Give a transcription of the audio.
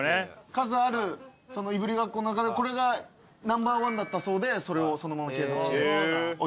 数あるいぶりがっこの中でこれがナンバーワンだったそうでそれをそのまま継続して置いてくださって。